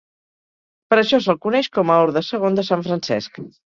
Per això se'l coneix com a orde segon de Sant Francesc.